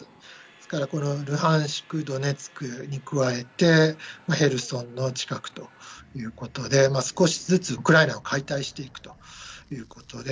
ですから、このルハンシク、ドネツクに加えて、ヘルソンの近くということで、少しずつウクライナを解体していくということで。